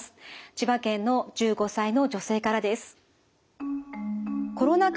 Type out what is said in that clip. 千葉県の１５歳の女性からです。